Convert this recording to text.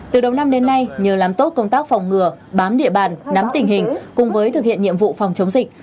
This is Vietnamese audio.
từ đầu năm đến nay nhờ làm tốt công tác phòng ngừa bám địa bàn nắm tình hình cùng với thực hiện nhiệm vụ phòng chống dịch